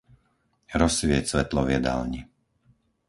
Rozsvieť svetlo v jedálni.